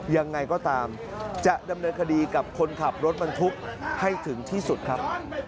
ยังไงก็ตามจะดำเนินคดีกับคนขับรถบรรทุกให้ถึงที่สุดครับ